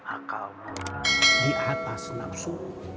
akalmu di atas nafsu